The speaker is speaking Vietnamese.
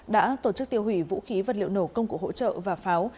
đã tổ chức tiêu hủy vũ khí vật liệu nổ công cụ hỗ trợ và pháo